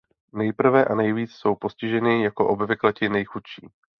Nejprve a nejvíce jsou postiženi jako obvykle ti nejchudší.